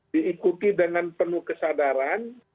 diikuti dengan penuh kesadaran